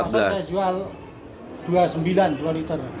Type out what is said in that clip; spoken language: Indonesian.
kalau saya jual rp dua sembilan ratus dua liter